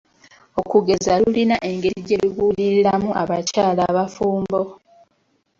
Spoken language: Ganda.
Okugeza lulina engeri gye lubuuliriramu abakyala abafumbo.